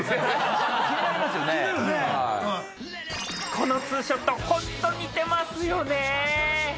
このツーショット本当似てますよね。